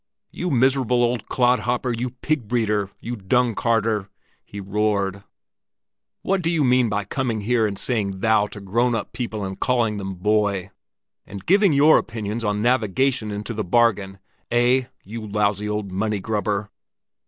"You miserable old clodhopper, you pig breeder, you dung carter!" he roared. "What do you mean by coming here and saying 'thou' to grown up people and calling them 'boy'? And giving your opinions on navigation into the bargain! Eh! you lousy old money grubber!